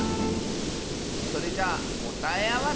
それじゃあこたえあわせ！